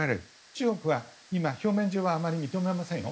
中国は今表面上はあまり認めませんよ。